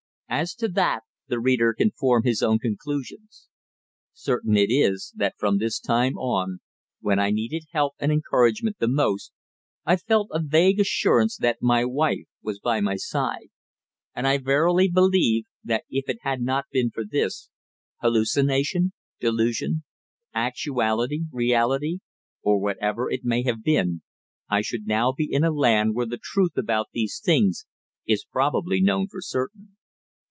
As to that, the reader can form his own conclusions. Certain it is, that from this time on, when I needed help and encouragement the most, I felt a vague assurance that my wife was by my side; and I verily believe, that if it had not been for this, hallucination, delusion, actuality, reality, or whatever it may have been, I should now be in a land where the truth about these things is probably known for certain.